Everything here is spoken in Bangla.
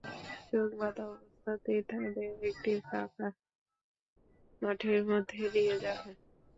চোখ বাঁধা অবস্থাতেই তাঁদের একটি ফাঁকা মাঠের মধ্যে নিয়ে যাওয়া হয়।